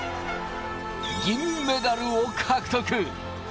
銀メダルを獲得。